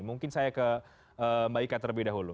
mungkin saya ke mbak ika terlebih dahulu